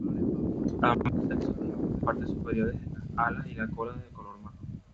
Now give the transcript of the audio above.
Ambos sexos tienen las partes superiores, las alas y la cola de color marrón.